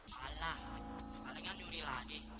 malah palingan juri lagi